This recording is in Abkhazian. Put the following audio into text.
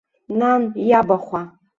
Нан, иабахәа!